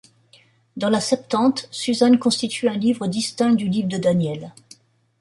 Dans la Septante, Suzanne constitue un livre distinct du Livre de Daniel.